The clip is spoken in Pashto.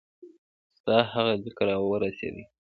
ستا هغه لیک را ورسېدی.